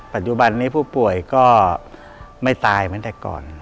ปัจจุบันนี้ผู้ป่วยก็ไม่ตายเหมือนแต่ก่อน